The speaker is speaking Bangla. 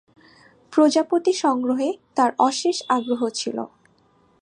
প্রজাপতি সংগ্রহে তার অশেষ আগ্রহ ছিল।